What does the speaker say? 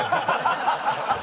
ハハハハ！